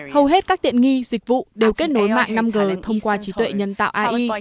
hầu hết các tiện nghi dịch vụ đều kết nối mạng năm g thông qua trí tuệ nhân tạo ai